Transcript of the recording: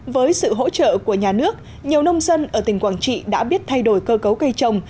với sự hỗ trợ của nhà nước nhiều nông dân ở tỉnh quảng trị đã biết thay đổi cơ cấu cây trồng